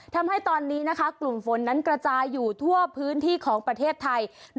ทำให้ตอนนี้นะคะกลุ่มฝนนั้นกระจายอยู่ทั่วพื้นที่ของประเทศไทย